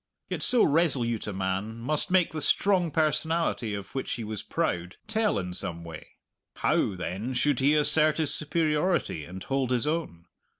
Yet so resolute a man must make the strong personality of which he was proud tell in some way. How, then, should he assert his superiority and hold his own?